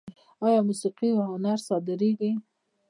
آیا موسیقي او هنر صادریږي؟